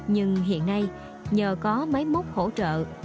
nhưng hiện nay nhờ có máy móc hỗ trợ